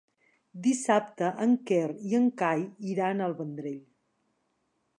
Dissabte en Quer i en Cai iran al Vendrell.